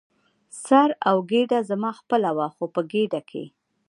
سر او ګېډه زما خپله وه، خو په ګېډه کې.